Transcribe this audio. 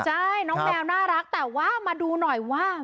ใช่น้องแมวน่ารักแต่ว่ามาดูหน่อยว่า